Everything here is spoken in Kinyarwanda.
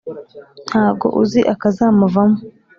Ntago uzi akazamuvamo